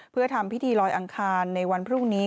เพื่อทำพิธีลอยอังคารในวันพรุ่งนี้